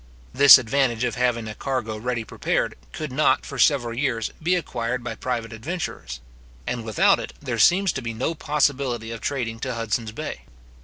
This advantage of having a cargo ready prepared, could not, for several years, be acquired by private adventurers; and without it there seems to be no possibility of trading to Hudson's Bay.